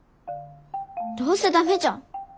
どうせダメじゃん。